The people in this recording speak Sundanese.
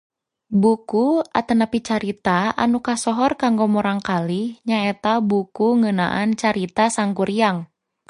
Buku atanapi carita anu kasohor kanggo murangkalih nyaeta buku ngeunaan carita Sangkuriang.